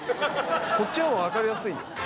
こっちの方が分かりやすいよ！